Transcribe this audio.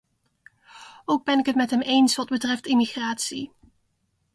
Ook ben ik het met hem eens wat betreft immigratie.